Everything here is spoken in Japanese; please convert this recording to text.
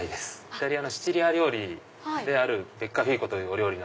イタリアのシチリア料理であるベッカフィーコというお料理。